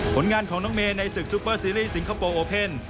ผลงานของน้องเมย์ในศึกซูเปอร์ซีรีส์สิงคโปร์โอเพ่น